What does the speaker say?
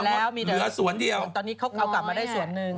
แล้วเหลือส่วนเดียวตอนนี้เขาเอากลับมาได้ส่วนหนึ่ง